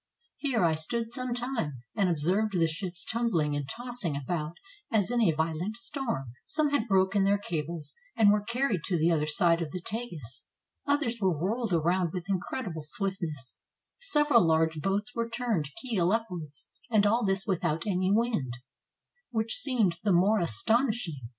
Here I stood some time, and observed the ships tumbling and tossing about as in a violent storm; some had broken their cables, and were carried to the other side of the Tagus; others were whirled around with incredible swiftness; several large boats were turned keel upwards; and all this without any wind, which seemed the more astonish ing.